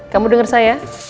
kamu dengar saya